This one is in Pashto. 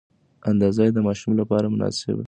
اندازه یې د ماشوم لپاره مناسبه ده.